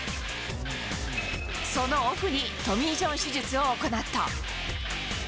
そのオフにトミー・ジョン手術を行った。